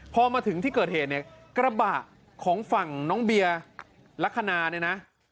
พอมาถึงที่เกิดเหตุเนี่ยกระบะของฝั่งน้องเบียร์ลักษณะเนี่ยนะ